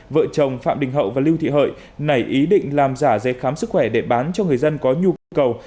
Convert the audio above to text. vợ chồng phạm đình hậu và lưu thị hợi nảy ý định làm giả giấy khám sức khỏe để bán cho người dân có nhu cầu